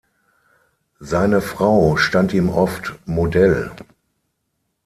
Seine Frau stand ihm oft Modell.